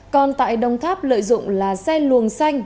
còn tại đồng tháp lợi dụng là xe luồng xanh